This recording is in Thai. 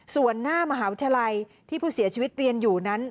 ส่วนหน้ามหาวิทยาลัยที่ผู้เสียชีวิตเรียนอยู่นั้น